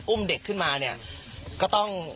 อุ้มเด็กขึ้นมาเนี่ยก็ต้อง